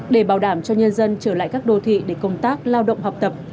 để bảo đảm cho nhân dân trở lại các đô thị để công tác lao động học tập